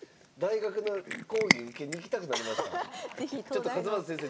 ちょっと勝又先生